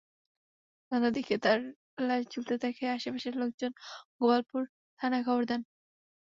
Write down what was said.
সন্ধ্যার দিকে তার লাশ ঝুলতে দেখে আশপাশের লোকজন গোপালপুর থানায় খবর দেন।